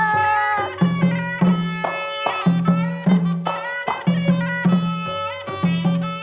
ธรรมดา